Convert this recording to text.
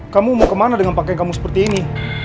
kamu mau kemana dengan pakaian kamu seperti ini